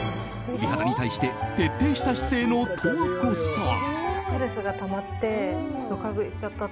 美肌に対して徹底した姿勢の十和子さん。